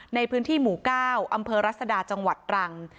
ในพื้นที่หมู่๙อำเภอรัศดาจังหวัดตรัง